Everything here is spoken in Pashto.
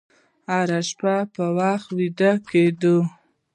هره شپه په وخت ویده کېږئ.